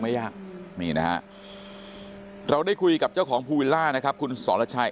ไม่ยากมีนะเราได้คุยกับเจ้าของภูวิราชนะครับคุณสอนชัย